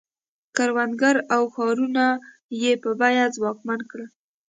کروندګر او ښارونه یې په بیه ځواکمن کړل.